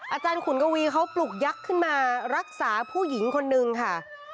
ขุนกวีเขาปลุกยักษ์ขึ้นมารักษาผู้หญิงคนนึงค่ะ